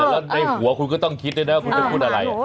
แล้วในหัวคุณก็ต้องคิดด้วยนะคุณจะพูดอะไร